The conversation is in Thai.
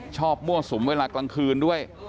มั่วสุมเวลากลางคืนด้วย